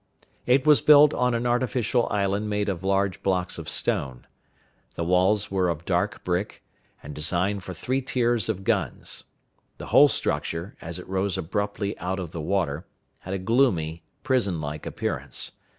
It was built on an artificial island made of large blocks of stone. The walls were of dark brick, and designed for three tiers of guns. The whole structure, as it rose abruptly out of the water, had a gloomy, prison like appearance.